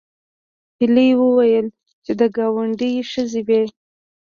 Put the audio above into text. هیلې وویل چې د ګاونډي ښځې وې